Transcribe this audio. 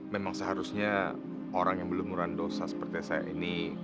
memang seharusnya orang yang berlumuran dosa seperti saya ini